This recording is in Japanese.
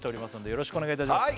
よろしくお願いします！